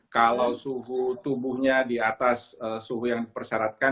kalau suhu tubuhnya di atas suhu yang dipersyaratkan